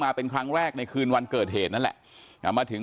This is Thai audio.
เป็นครั้งแรกในคืนวันเกิดเหตุนั่นแหละมาถึง